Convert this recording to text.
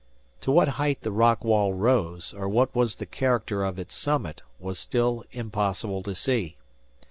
To what height the rock wall rose, or what was the character of its summit, was still impossible to see.